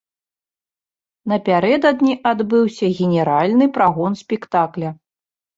Напярэдадні адбыўся генеральны прагон спектакля.